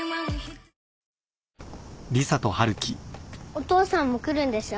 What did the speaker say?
お父さんも来るんでしょ？